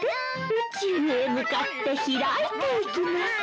宇宙へ向かって開いていきます！